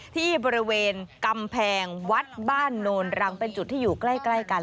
ที่บริเวณกำแพงวัดบ้านโนนรังเป็นจุดที่อยู่ใกล้กัน